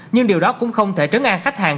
nhưng điều đó cũng không thể trấn an khách hàng